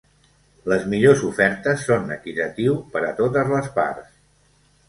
Les millors ofertes són equitatiu per a totes les parts.